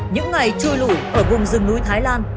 những ngày chui lũi ở vùng rừng núi thái lan